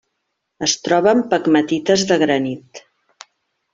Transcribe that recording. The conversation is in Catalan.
Es troba en pegmatites de granit.